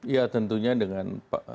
ya tentunya dengan